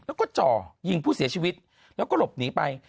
แล้วก็จ่อยิงผู้เสียชีวิตแล้วก็หลบหนีไป